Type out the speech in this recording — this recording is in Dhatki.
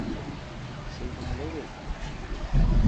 سيٽ ملي گئي؟